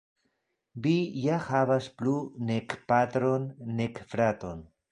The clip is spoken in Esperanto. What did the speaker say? Vi ja havas plu nek patron, nek fraton!